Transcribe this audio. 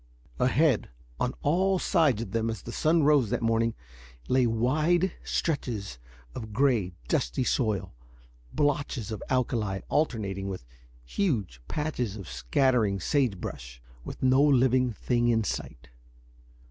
Ahead, on all sides of them as the sun rose that morning, lay wide stretches of gray, dusty soil, blotches of alkali alternating with huge patches of scattering sage brush, with no living thing in sight.